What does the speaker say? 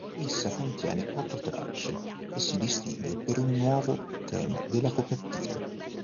Essa contiene otto tracce e si distingue per un nuovo tema della copertina.